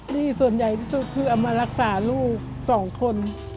ส่วนใหญ่ที่สุดคือเอามารักษาลูก๒คน